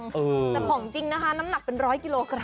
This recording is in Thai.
แต่ของจริงนะคะน้ำหนักเป็นร้อยกิโลกรั